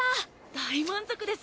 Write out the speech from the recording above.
大満足です。